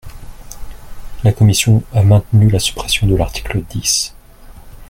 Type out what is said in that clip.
La commission a maintenu la suppression de l’article dix.